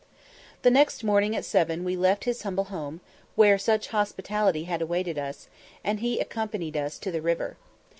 The next morning at seven we left his humble home, where such hospitality had awaited us, and he accompanied us to the river.